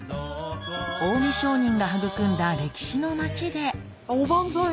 近江商人が育んだ歴史の町でおばんざい！